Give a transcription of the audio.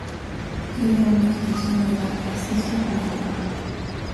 Tiene una extensión que va a Cizur Menor.